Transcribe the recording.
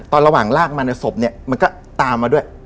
ระหว่างลากมาในศพเนี่ยมันก็ตามมาด้วย